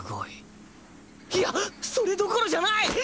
いやそれどころじゃない！